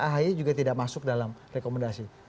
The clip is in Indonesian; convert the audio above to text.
ahy juga tidak masuk dalam rekomendasi